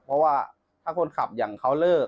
เพราะว่าถ้าคนขับอย่างเขาเลิก